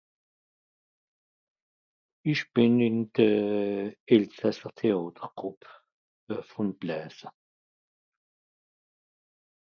isch bìn ìn de euh elsasser théàter grùpp de vòn blaesse